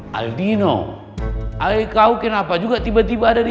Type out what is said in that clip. maka gak kesana lagi di sini